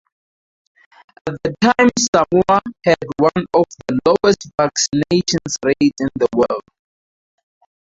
At the time Samoa had one of the lowest vaccination rates in the world.